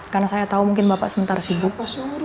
karena saya tahu mungkin bapak sementara sibuk